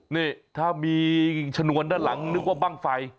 นี่ถ้ามีชนวนด้านหลังนึกว่าบ้างไฟ